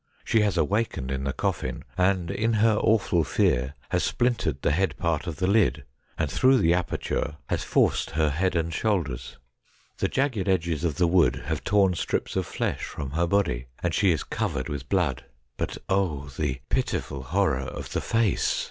She has awakened in the coffin, and in her awful fear has splintered the head part of the lid, and through the aperture has forced her head and A NIGHT WITH THE DEAD 197 shoulders. The jagged edges of the wood have torn strips of flesh from her body, and she is covered with blood. But, oh ! the pitiful horror of the face